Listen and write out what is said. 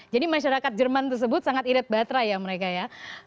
jadi masyarakat jerman tersebut sangat irit baterai ya mereka ya